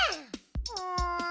うん。